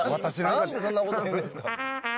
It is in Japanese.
何でそんなこと言うんですか。